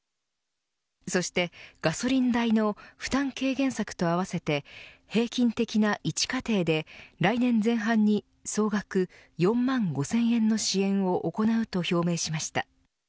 そして、ガソリン代の負担軽減策と合わせて平均的な１家庭で来年前半に総額４万５０００円の支援を行うと表明しました。